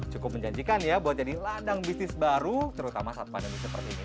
cukup menjanjikan ya buat jadi ladang bisnis baru terutama saat pandemi seperti ini